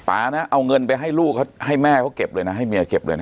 นะเอาเงินไปให้ลูกเขาให้แม่เขาเก็บเลยนะให้เมียเก็บเลยนะ